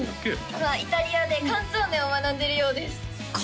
今イタリアでカンツォーネを学んでるようです